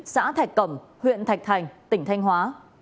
xã thạch cẩm huyện thạch thành tỉnh thanh hóa